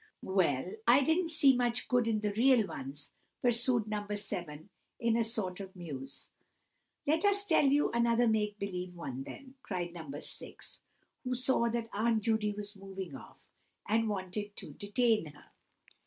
"Well, I didn't see much good in the real ones," pursued No. 7, in a sort of muse. "Let us tell you another make believe one, then," cried No. 6, who saw that Aunt Judy was moving off, and wanted to detain her.